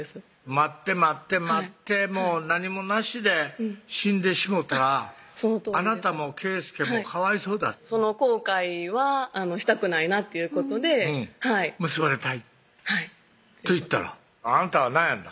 待って待って待っても何もなしで死んでしもたらそのとおりですあなたも圭祐もかわいそうだとその後悔はしたくないなっていうことで「結ばれたい」はいと言ったらあなたは悩んだ？